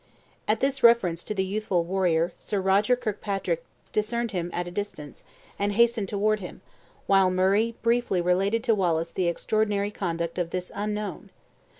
At this reference to the youthful warrior, Sir Roger Kirkpatrick discerned him at a distance, and hastened toward him, while Murray briefly related to Wallace the extraordinary conduct of this unknown.